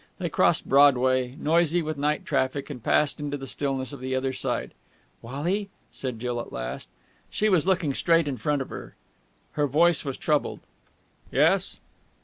They crossed Broadway, noisy with night traffic, and passed into the stillness on the other side. "Wally," said Jill at last. She was looking straight in front of her. Her voice was troubled. "Yes?"